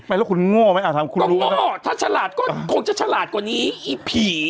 ไม่รู้คุณง่วมั้ยถามคุณรู้นะอ๋อถ้าฉลาดก็คงจะฉลาดกว่านี้อีผี